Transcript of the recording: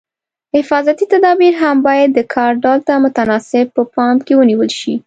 حفاظتي تدابیر هم باید د کار ډول ته متناسب په پام کې ونیول شي.